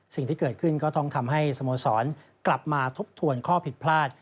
สิ่งที่เกิดขึ้นก็ต้องทำให้สโมสรกลับมาทบทวนข้อผิดพลาด